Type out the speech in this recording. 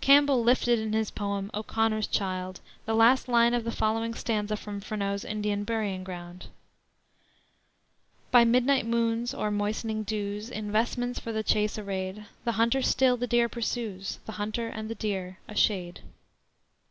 Campbell "lifted" in his poem O'Conor's Child the last line of the following stanza from Freneau's Indian Burying Ground: "By midnight moons, o'er moistening dews, In vestments for the chase arrayed, The hunter still the deer pursues The hunter and the deer a shade."